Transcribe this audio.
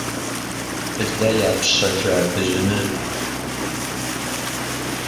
Блэ япщэжа дыжьыныжьщ.